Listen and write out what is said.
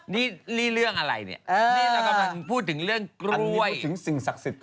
นี่เรียกเรื่องอะไรเนี่ย